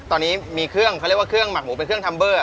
ตอนนี้มีเครื่องเขาเรียกว่าเครื่องหมักหมูเป็นเครื่องทัมเบอร์